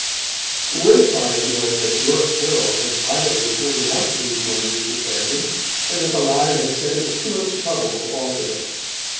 The worst part of it was that York Herald had privately pointed out these blunders to Camden, and that the latter had said it was too much trouble to alter them.